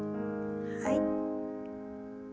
はい。